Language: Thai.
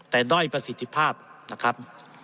แต่ด้อยประสิทธิภาพนะครับ